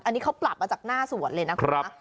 อันนี้เขาปรับมาจากหน้าสวนเลยนะคุณนะ